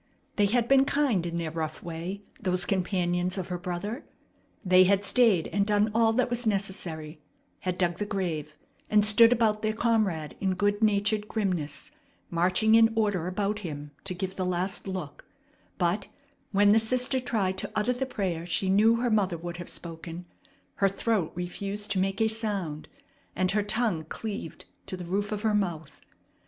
They had been kind in their rough way, those companions of her brother. They had stayed and done all that was necessary, had dug the grave, and stood about their comrade in good natured grimness, marching in order about him to give the last look; but, when the sister tried to utter the prayer she knew her mother would have spoken, her throat refused to make a sound, and her tongue cleaved to the roof of her mouth.